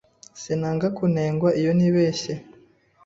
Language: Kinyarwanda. Sinanga kunengwa iyo nibeshye.